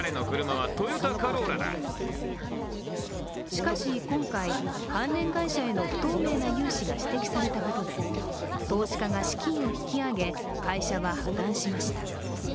しかし今回、関連会社への不透明な融資が指摘されたことで投資家が資金を引き揚げ会社は破綻しました。